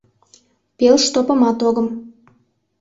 — Пелштопымат огым...